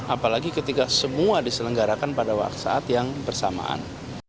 apalagi ketika semua diselenggarakan pada saat yang bersamaan